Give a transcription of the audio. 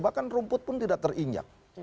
bahkan rumput pun tidak terinjak